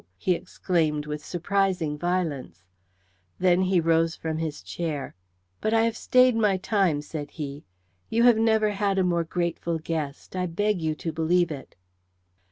he exclaimed with surprising violence. Then he rose from his chair. "But I have stayed my time," said he, "you have never had a more grateful guest. I beg you to believe it."